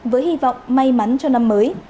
với hy vọng may mắn cho năm mới